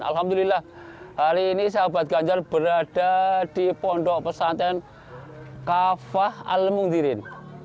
alhamdulillah hari ini sahabat ganjar berada di pondok pesantren kafah al mungdirin